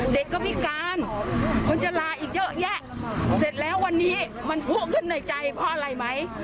เด็กก็พิการคนจะลาอีกเยอะแยะเสร็จแล้ววันนี้มันพูดขึ้นในใจเพราะอะไรไหม